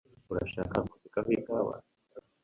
Urashaka kunsukaho ikawa?